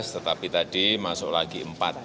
tetapi tadi masuk lagi empat